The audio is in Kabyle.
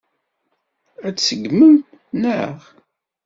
Ad t-tṣeggmem, naɣ?